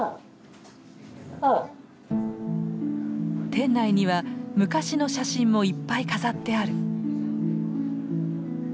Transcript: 店内には昔の写真もいっぱい飾ってある。